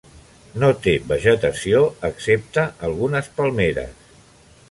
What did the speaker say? No té vegetació excepte algunes palmeres.